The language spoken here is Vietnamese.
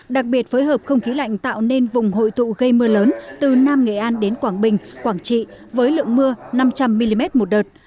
đặc biệt với hợp không khí lạnh tạo nên vùng hội tụ gây mưa lớn từ nam nghệ an đến quảng bình quảng trị với lượng mưa năm trăm linh mm một đợt